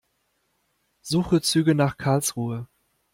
Suche Züge nach Karlsruhe.